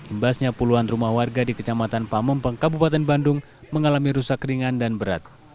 imbasnya puluhan rumah warga di kecamatan pamempeng kabupaten bandung mengalami rusak ringan dan berat